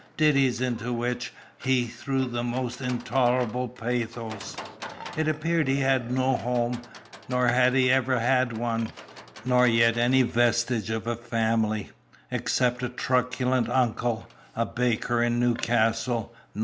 _ ditties into which he threw the most intolerable pathos. It appeared he had no home, nor had ever had one, nor yet any vestige of a family, except a truculent uncle, a baker in Newcastle, N.S.